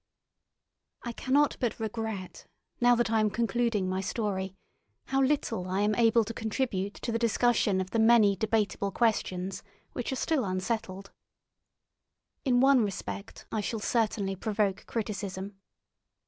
I cannot but regret, now that I am concluding my story, how little I am able to contribute to the discussion of the many debatable questions which are still unsettled. In one respect I shall certainly provoke criticism.